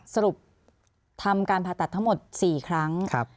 สรุปทำการผ่าตัดทั้งหมด๔ครั้ง